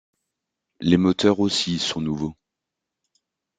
Les moteurs aussi sont nouveaux.